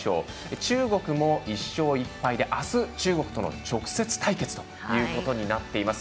中国も１勝１敗であす、中国との直接対決となっています。